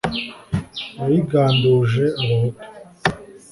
Yayiganduje abahutu